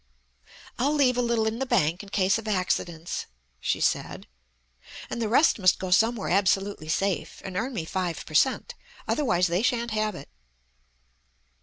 "I'll leave a little in the bank in case of accidents," she said, "and the rest must go somewhere absolutely safe and earn me five per cent. Otherwise they shan't have it."